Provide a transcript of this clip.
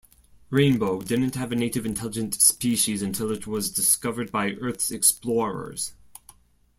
Rainbow didn't have a native intelligent species until it was discovered by Earth's explorers.